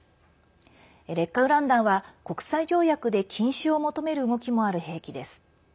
劣化ウラン弾は国際条約で禁止を求める動きもある兵器です。